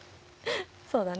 そうだね。